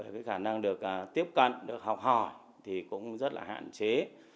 cả năng được tiếp cận được học hỏi thì cũng rất là hạn chế